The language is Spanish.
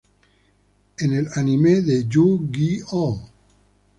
En el anime de Yu-Gi-Oh!